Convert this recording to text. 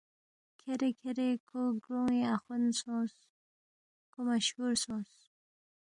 کھیرے کھیرے کھو گرون٘ی اخوند سونگس، کھو مشہور سونگس